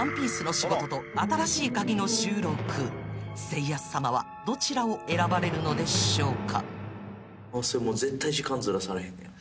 ［せい康さまはどちらを選ばれるのでしょうか］